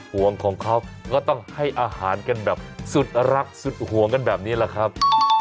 ห่วงของเขาก็ต้องให้อาหารกันแบบสุดรักสุดห่วงกันแบบนี้แหละครับ